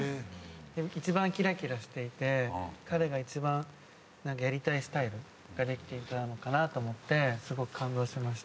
一番キラキラしていて彼が一番やりたいスタイルができていたのかなと思ってすごく感動しました。